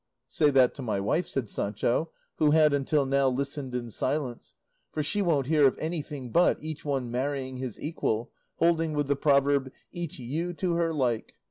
"Say that to my wife," said Sancho, who had until now listened in silence, "for she won't hear of anything but each one marrying his equal, holding with the proverb 'each ewe to her like.